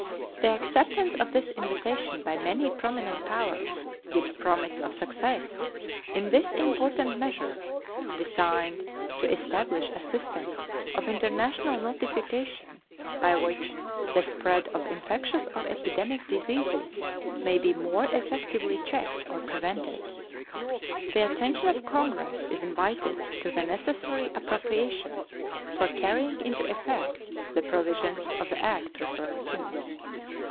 The acceptance of this invitation by many prominent powers gives promise of success in this important measure, designed to establish a system of international notification by which the spread of infectious or epidemic diseases may be more effectively checked or prevented. The attention of Congress is invited to the necessary appropriations for carrying into effect the provisions of the act referred to.